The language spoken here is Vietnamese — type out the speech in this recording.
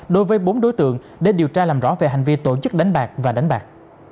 đối với bốn đối tượng để điều tra làm rõ về hành vi tổ chức đánh bạc và đánh bạc